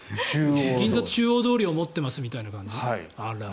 銀座中央通りを持っていますみたいな感じ？